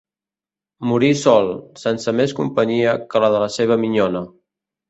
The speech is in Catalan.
Morí sol, sense més companyia que la de la seva minyona.